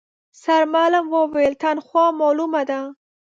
سرمعلم وويل، تنخوا مالومه ده.